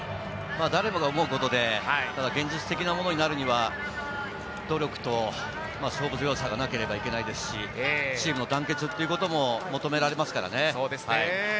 誰もが思うことで、現実的なものになるには、努力と勝負強さがなければいけないですし、チームの団結っていうことも求められますからね。